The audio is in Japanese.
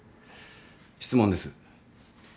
質問です。